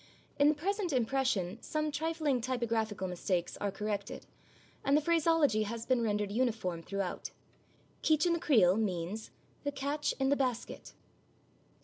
In the present impression some trifling typographical mistakes are corrected, and the phraseology has been rendered uniform throughout. Keach i' the Creel means the catch in the basket.